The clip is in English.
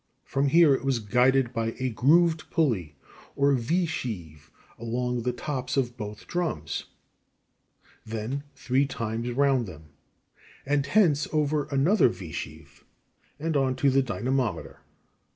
From here it was guided by a grooved pulley, or V sheave, L, along the tops of both drums, at B, then three times round them, and hence over another V sheave, F, and on to the dynamometer.